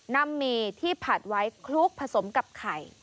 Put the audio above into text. หมี่ที่ผัดไว้คลุกผสมกับไข่